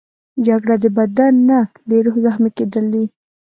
جګړه د بدن نه، د روح زخمي کېدل دي